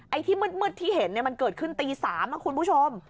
ไอ้ที่มืดมืดที่เห็นเนี่ยมันเกิดขึ้นตีสามนะคุณผู้ชม